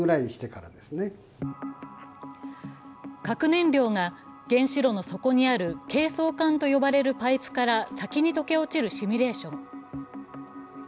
核燃料が原子炉の底にある計装管と呼ばれるパイプから先に溶け落ちるシミュレーション。